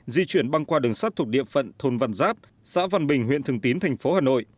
di chuyển băng qua đường sắt thuộc địa phận thôn văn giáp xã văn bình huyện thường tín thành phố hà nội